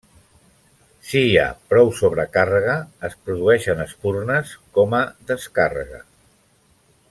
Si hi ha prou sobrecàrrega, es produeixen espurnes com a descàrrega.